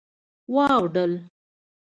واوډل